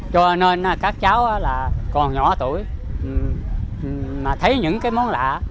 cho nên các cháu còn nhỏ tuổi mà thấy những món lạ